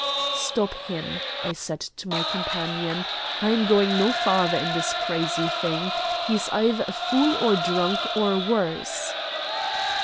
"Stop him," I said to my companion. "I am going no farther in this crazy thing. He's either a fool or drunk, or worse."